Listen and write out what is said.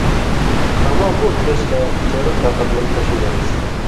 اماں مُوٹھ دیسہۡ نہ چېرو طاقت مند پشِگ آن٘س۔